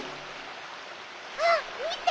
あっみて！